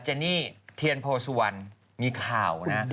เจนี่เทียนโพสุวรรณมีข่าวนะ